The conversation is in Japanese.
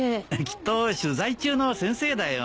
きっと取材中の先生だよ。